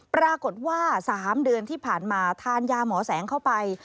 ปรากฏว่า๓เดือนที่ผ่านมาทานยาหมอแสงเข้าไป